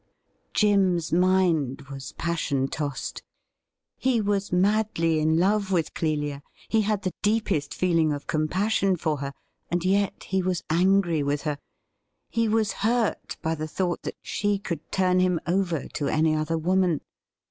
Jim's mind was passion tossed. He was madly in love with Clelia, he had the deepest feeling of compassion for her, and yet he was angry with her. He was hurt by the thought that she could turn him over to any other woman.